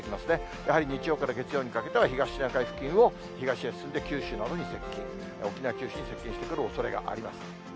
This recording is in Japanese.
やはり日曜から月曜にかけては、東シナ海付近を東へ進んで、九州などに接近、沖縄、九州に接近してくるおそれがあります。